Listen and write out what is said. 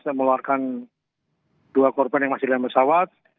saya meluarkan dua korban yang masih dalam pesawat